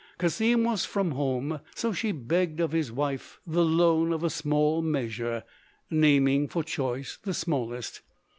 Cassim was from home, so she begged of his wife the loan of a small measure, naming for choice the smallest.